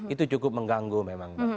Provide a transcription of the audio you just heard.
itu cukup mengganggu memang